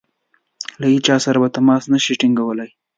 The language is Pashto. له هیچا سره به تماس نه شي ټینګولای.